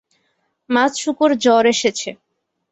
মাতসুকোর জ্বর এসেছে।